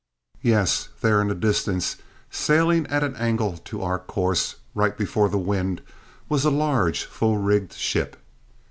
Yes, there, in the distance, sailing at an angle to our course, right before the wind, was a large full rigged ship.